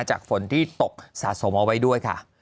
ฝนที่ตกสะสมเอาไว้ด้วยค่ะ